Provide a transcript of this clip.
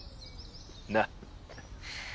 なっ。